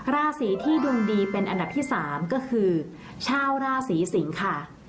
ราศีที่ดวงดีเป็นอันดับที่๓ก็คือชาวราศีสิงค่ะ